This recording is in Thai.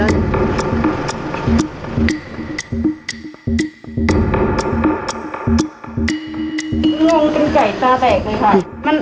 เยอะ